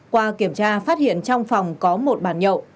qua kiểm tra phát hiện trong phòng có một bàn nhậu